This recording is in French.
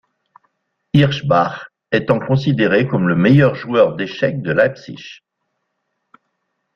Hirschbach étant considéré comme le meilleur joueur d'échecs de Leipzig.